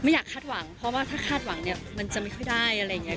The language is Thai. อยากคาดหวังเพราะว่าถ้าคาดหวังเนี่ยมันจะไม่ค่อยได้อะไรอย่างนี้